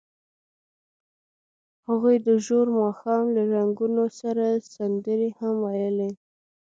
هغوی د ژور ماښام له رنګونو سره سندرې هم ویلې.